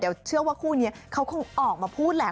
เดี๋ยวเชื่อว่าคู่นี้เขาคงออกมาพูดแหละ